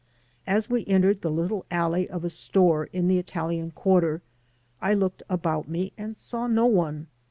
As we entered the little alley of a store in the Italian quarter I looked about me and saw no one.